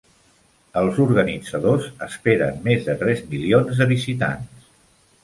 Els organitzadors esperen més de tres milions de visitants.